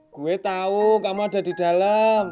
gue tahu kamu ada di dalam